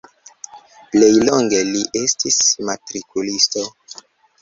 Plej longe li estis matrikulisto.